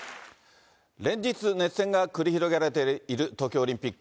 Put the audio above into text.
連日熱戦が繰り広げられている東京オリンピック。